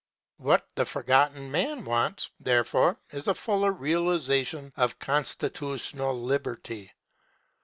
What the Forgotten Man wants, therefore, is a fuller realization of constitutional liberty.